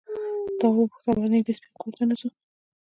تواب وپوښتل ولې نږدې سپین کور ته نه ځو؟